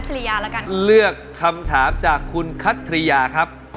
คุณคัทริยาคันนะครับ